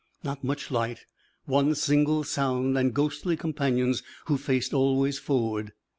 Not much light, one single sound, and ghostly companions who faced always forward.